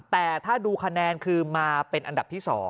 แต่ถ้าดูคะแนนคือมาเป็นอันดับที่๒